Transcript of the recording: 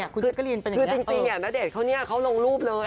คือจริงณเดชน์เขาลงรูปเลย